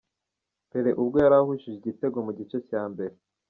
Pelle ubwo yari ahushije igitego mu gice cya mbere.